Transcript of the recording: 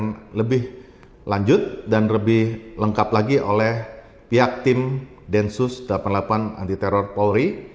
pemeriksaan lebih lanjut dan lebih lengkap lagi oleh pihak tim densus delapan puluh delapan anti teror polri